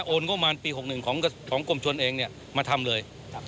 โอนโกมาลปี๖๑ของกรมชลเองมาทำเลย